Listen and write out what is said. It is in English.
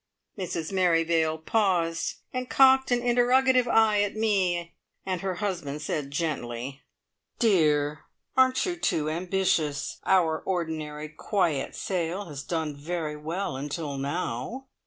Mrs Merrivale paused and cocked an interrogative eye at me, and her husband said gently: "Dear, aren't you too ambitious? Our ordinary quiet sale has done very well until now.